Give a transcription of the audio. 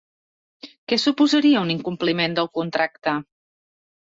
Què suposaria un incompliment del contracte?